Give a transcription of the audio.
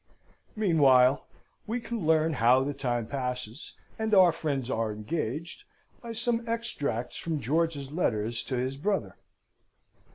Meanwhile we can learn how the time passes, and our friends are engaged, by some extracts from George's letters to his brother.